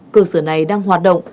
cơ sở này đang hoạt động